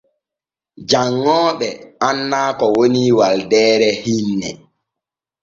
Janŋooɓe anna ko woni waldeere inne.